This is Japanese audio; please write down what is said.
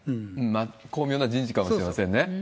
巧妙な人事かもしれませんね。